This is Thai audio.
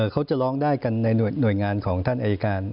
เขาจะร้องได้กันในหน่วยงานของท่านอายการ